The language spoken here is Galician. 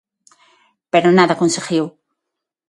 Pero nada conseguiu.